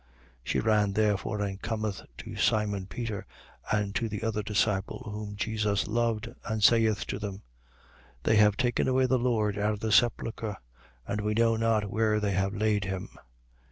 20:2. She ran therefore and cometh to Simon Peter and to the other disciple whom Jesus loved and saith to them: They have taken away the Lord out of the sepulchre: and we know not where they have laid him.